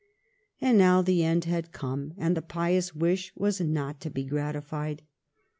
And now the end had come, and the pious wish was not to be gratified.